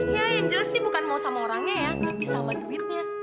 ya yang jelas sih bukan mau sama orangnya ya nggak bisa sama duitnya